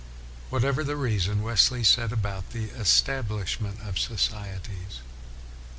Whatever the reason, Wes ley set about the establishment of societies.